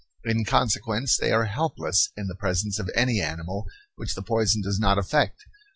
In consequence they are helpless in the presence of any animal which the poison does not affect.